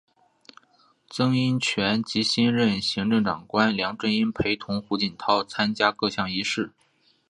曾荫权及新任行政长官梁振英陪同胡锦涛参加各项仪式。